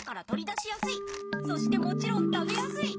そしてもちろん食べやすい！